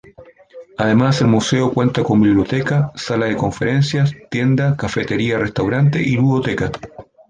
Además el museo cuenta con biblioteca, sala de conferencias, tienda, cafetería-restaurante y ludoteca.